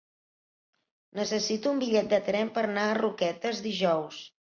Necessito un bitllet de tren per anar a Roquetes dijous.